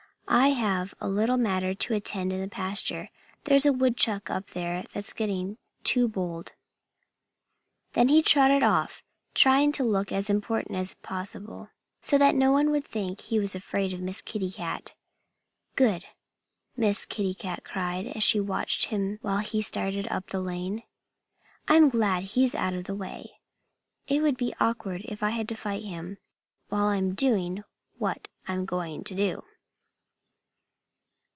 I have a little matter to attend to in the pasture. There's a Woodchuck up there that's getting too bold." Then he trotted off, trying to look as important as possible, so that no one would think he was afraid of Miss Kitty Cat. "Good!" Miss Kitty cried, as she watched him while he started up the lane. "I'm glad he's out of the way. It would be awkward if I had to fight him while I'm doing what I'm going to do."